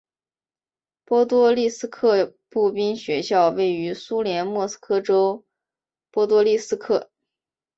波多利斯克步兵学校位于苏联莫斯科州波多利斯克。